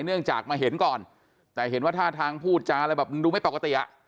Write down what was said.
เนื่องจากมาเห็นก่อนแต่เห็นว่าท่าทางพูดจาดูไม่ปกติ